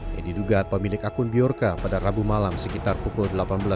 yang diduga pemilik akun biorka pada rabu malam sekitar pukul delapan belas tiga puluh